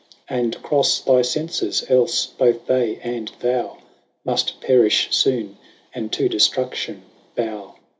And crofle thy fenfes, elfe, both they, and thou Muft perim foone, and to deftruction bowe.